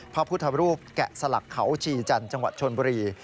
พระพุทธรูปแกะสลักเขาชีจันทร์จังหวัดชนบุรี